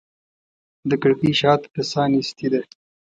د کړکۍ شاته د ساه نیستي ده